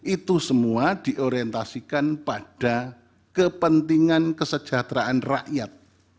itu semua diorientasikan pada kepentingan kesejahteraan rakyat